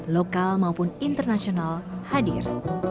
lokal maupun internasional hadir